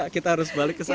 kita harus balik ke sana